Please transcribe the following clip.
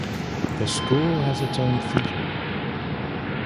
The school has its own theater.